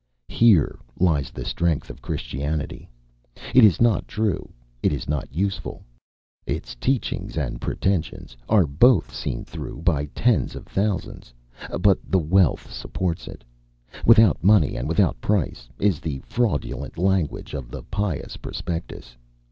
Here lies the strength of Christianity. It is not true, it is not useful. Its teachings and pretensions are both seen through by tens of thousands, but the wealth supports it. "Without money and without price," is the fraudulent language of the pious prospectus.